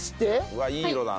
うわっいい色だな。